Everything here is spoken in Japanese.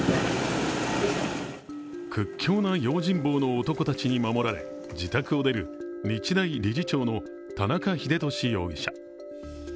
屈強な用心棒の男たちに守られ自宅を出る日大理事長の田中英寿容疑者。